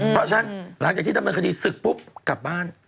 เพราะฉะนั้นหลังจากที่ดำเนินคดีศึกปุ๊บกลับบ้าน